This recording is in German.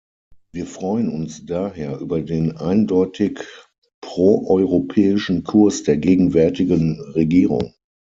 Wir freuen uns daher über den eindeutig proeuropäischen Kurs der gegenwärtigen Regierung.